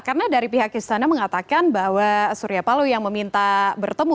karena dari pihak istana mengatakan bahwa surya palu yang meminta bertemu